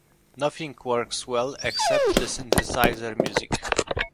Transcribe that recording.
Nothing works well except the synthesizer music.